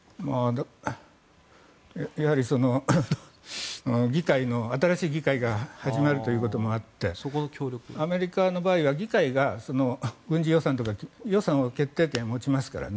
やはり新しい議会が始まるということもあってアメリカの場合は議会が軍事予算とか予算の決定権を持ちますからね。